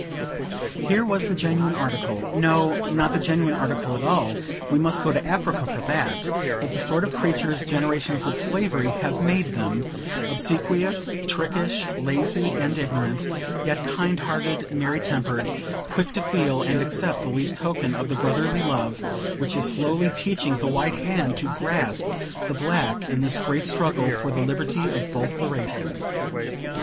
Here was the genuine article no, not the genuine article at all, we must go to Africa for that but the sort of creatures generations of slavery have made them: obsequious, trickish, lazy and ignorant, yet kind hearted, merry tempered, quick to feel and accept the least token of the brotherly love which is slowly teaching the white hand to grasp the black, in this great struggle for the liberty of both the races.